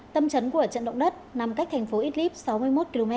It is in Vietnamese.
tâm trấn của trận động đất nằm cách thành phố idlib sáu mươi một km